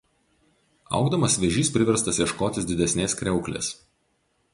Augdamas vėžys priverstas ieškotis didesnės kriauklės.